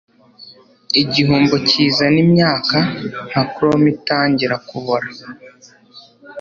igihombo kizana imyaka, nka chrome itangira kubora